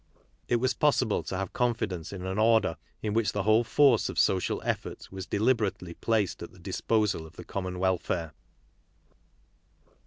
It was possible to have confidence in an order in which the whole force of social effort was deliberately placed at the disposal of the common welfare.